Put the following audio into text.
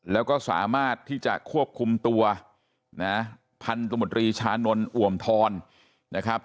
แล้วก็สามารถที่จะควบคุมตัวนะพันธมตรีชานนท์อ่วมทรนะครับ